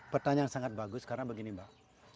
pertanyaan sangat bagus karena begini mbak